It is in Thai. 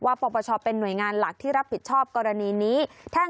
ปปชเป็นหน่วยงานหลักที่รับผิดชอบกรณีนี้